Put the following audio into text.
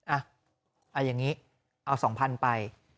เอาอย่างนี้เอา๒พันธุ์ไป